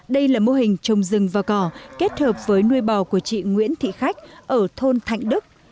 đây là mô hình trồng rừng và cỏ kết hợp với nuôi bò của chị nguyễn thị khách ở thôn thạnh đức